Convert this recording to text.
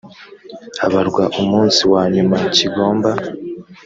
habarwa umunsi wa nyuma kigomba